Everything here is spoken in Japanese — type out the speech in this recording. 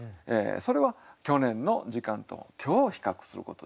それは去年の時間と今日を比較すること。